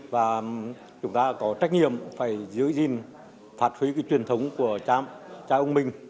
và chúng ta có trách nhiệm phải giữ gìn phạt khí cái truyền thống của cha ông mình